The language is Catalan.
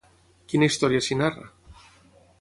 Quina història s'hi narra?